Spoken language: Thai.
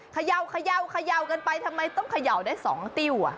เขย่าเขย่าเขย่ากันไปทำไมต้องเขย่าได้สองติ้วอ่ะ